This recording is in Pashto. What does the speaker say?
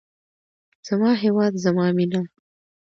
زما هیواد زما مینه.